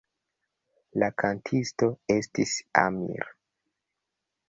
La kantisto estis Amir.